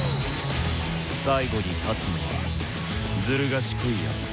最後に勝つのはズル賢いやつさ。